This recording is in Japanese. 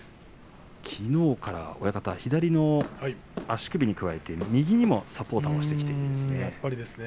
きのうから左の足首に加えて右にもサポーターをしていますね。